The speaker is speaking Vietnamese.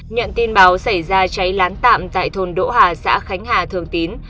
nhận tin báo xảy ra cháy lán tạm tại thôn đỗ hà xã khánh hà thường tín